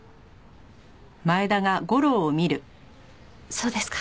そうですか。